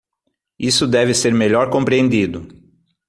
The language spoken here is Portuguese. Isso deve ser melhor compreendido.